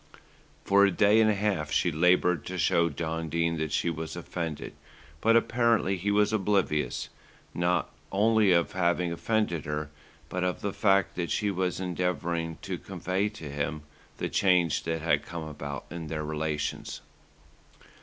For a day and a half she laboured to show John Dene that she was offended; but apparently he was oblivious, not only of having offended her, but of the fact that she was endeavouring to convey to him the change that had come about in their relations.